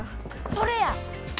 それや！